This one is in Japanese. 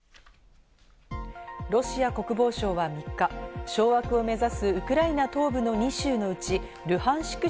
ロシア国防省は３日、掌握を目指すウクライナ東部の２州のうち、ルハンシク